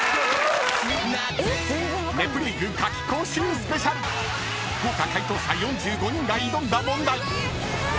［『ネプリーグ』夏期講習スペシャル！］［豪華解答者４５人が挑んだ問題］